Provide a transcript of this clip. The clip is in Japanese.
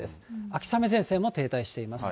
秋雨前線も停滞しています。